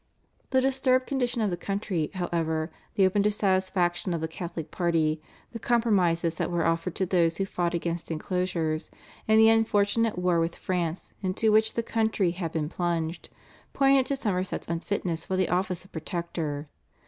The disturbed condition of the country, however, the open dissatisfaction of the Catholic party, the compromises that were offered to those who fought against inclosures, and the unfortunate war with France into which the country had been plunged, pointed to Somerset's unfitness for the office of Protector.